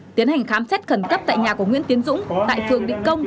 tiến hành khám xét khẩn cấp tại nhà của nguyễn tiến dũng tại phường định công